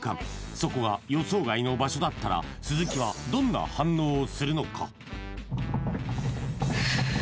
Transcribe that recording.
そこが予想外の場所だったら鈴木はどんな反応をするのか？